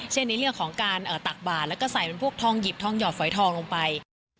เช่นนี้เรียกว่าของการตักบานแล้วก็ใส่ในพวกทองหยิบทองหยอดฝอยทองลงไป